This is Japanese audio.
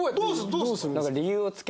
どうするの？